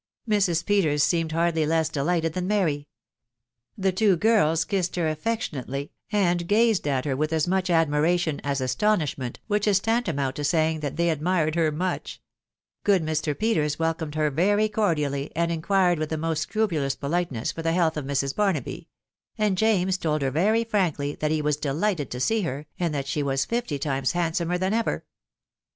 Mrs. Peters seemed hardly less delighted than Mary ; the two girls kissed her affectionately, and gazed at her with as much admiration as astonishment, which is tantamount to saying that they admired her much ; good Mr. Peters welcomed her very cordially, and inquired with the most scrupulous politeness for the health of Mrs. Barnaby ; and James told her very frankly that he was delighted to see her, and that she was fifty times handsomer than ever.